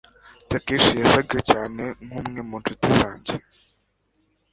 Takeshi yasaga cyane nkumwe mu nshuti zanjye.